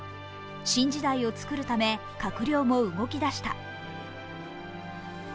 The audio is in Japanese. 新時代をつくるため閣僚も動き出した。